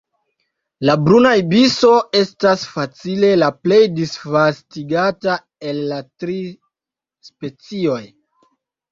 La Bruna ibiso estas facile la plej disvastigata el la tri specioj.